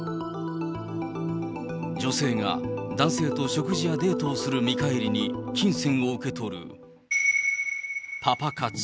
女性が男性と食事やデートをする見返りに、金銭を受け取る、パパ活。